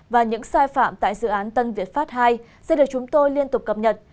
và những sai phạm tại dự án tân việt pháp ii sẽ được chúng tôi liên tục cập nhật